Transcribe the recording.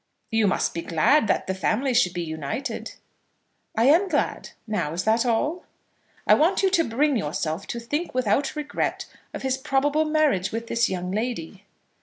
"You must be glad that the family should be united." "I am glad. Now, is that all?" "I want you to bring yourself to think without regret of his probable marriage with this young lady."